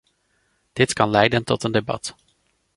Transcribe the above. Dit kan leiden tot een debat.